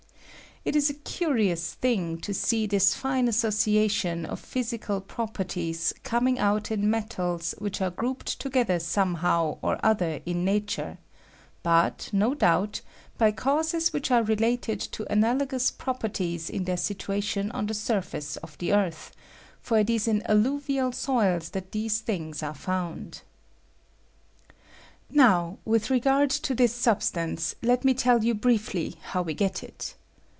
It is a curious thing to see this fine as sociation of physical properties coming out in metals which are grouped together somehow or 'Other in nature, but, no doubt, by causes which are related to analogous properties in their sit uation on the surface of the earth, for it is in alluvial soils that these thifigs are found. Now, with regard to this substance, let me tell you briefly how we get it.